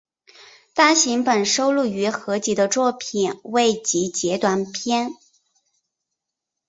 单行本收录于合集的作品未集结短篇